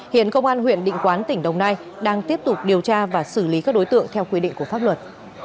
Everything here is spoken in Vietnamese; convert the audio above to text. hiện công an huyện định quán tỉnh đồng nai đang tiếp tục điều tra và xử lý các đối tượng theo quy định của pháp luật